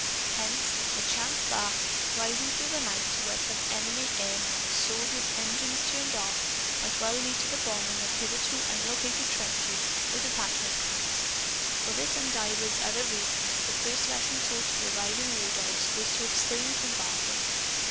Hence, a chance bark, rising through the night to where some enemy airman soared with engines turned off, might well lead to the bombing of hitherto unlocated trenches or detachment camps. For this and divers other reasons, the first lesson taught to arriving wardogs was to abstain from barking.